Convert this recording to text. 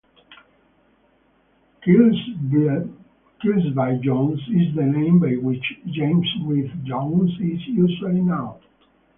"Kilsby Jones" is the name by which James Rhys Jones is usually known.